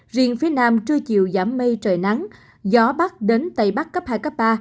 riêng phía nam trưa chiều giảm mây trời nắng gió bắc đến tây bắc cấp hai cấp ba